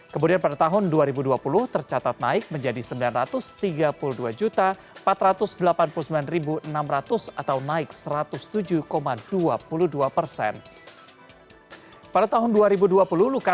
kemudian pada tahun dua ribu dua puluh tercatat naik menjadi sembilan ratus tiga puluh dua empat ratus delapan puluh sembilan enam ratus atau naik satu ratus tujuh dua puluh dua persen